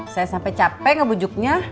saya sampai capek ngebujuknya